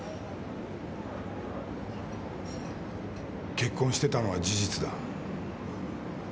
結婚してたのは事実だ。